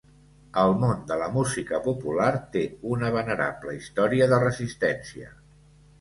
El món de la música popular té una venerable història de resistència.